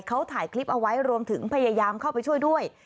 เขาถ่ายคลิปเอาไว้รวมถึงพยายามเข้าไปช่วยด้วย